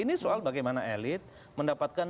ini soal bagaimana elit mendapatkan